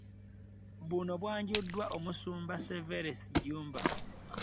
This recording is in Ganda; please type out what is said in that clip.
Buno bwanjuddwa omusumba Serverus Jjumba